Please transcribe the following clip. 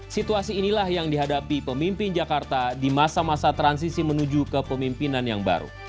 situasi inilah yang dihadapi pemimpin jakarta di masa masa transisi menuju ke pemimpinan yang baru